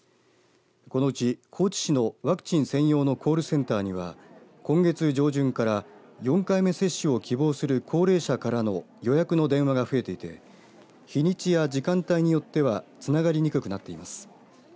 このうち高知市のワクチン専用のコールセンターには今月上旬から４回目接種を希望する高齢者からの予約の電話が増えていて日にちや時間帯によってはつながりにくくなっています。